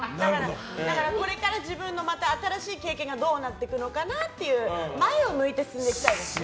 これから自分の新しい経験がどうなっていくのかなという前を向いて進んでいきたいですね。